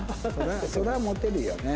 そりゃモテるよね。